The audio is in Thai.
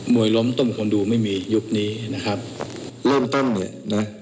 วยล้มตุ้มคนดูไม่มียุคนี้นะครับเริ่มต้นเลยนะ